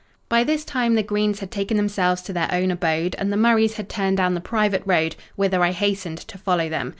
By this time the Greens had taken themselves to their own abode, and the Murrays had turned down the private road, whither I hastened to follow them.